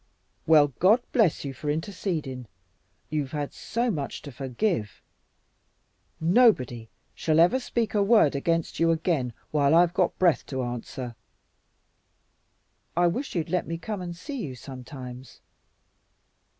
"Well, God bless you for intercedin' you had so much to forgive. Nobody shall ever speak a word against you again while I've got breath to answer. I wish you'd let me come and see you sometimes."